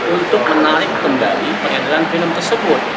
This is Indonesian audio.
untuk menarik narik perjalanan film tersebut